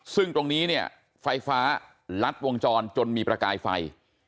ซึ่งตรงนี้เนี่ยไฟฟ้าลัดวงจรจนมีประกายไฟ